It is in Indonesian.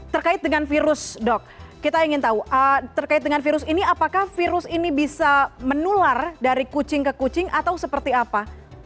terkait dengan virus dok kita ingin tahu terkait dengan virus ini apakah virus ini bisa menular dari kucing ke kucing atau seperti apa